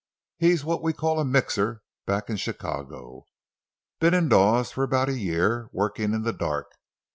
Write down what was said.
He's what we call a 'mixer' back in Chicago. Been in Dawes for about a year, working in the dark.